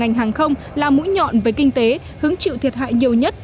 các hãng hàng không là mũi nhọn về kinh tế hứng chịu thiệt hại nhiều nhất